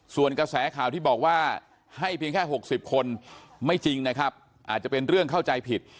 ส่วนกระแสข่าวที่บอกว่าให้เพียงแค่๖๐คนไม่จริงนะครับอาจจะเป็นเรื่องเข้าใจผิด